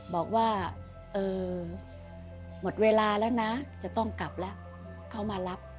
บอกว่าหมดเวลาแล้วนะจะต้องกลับแล้วเขามารับ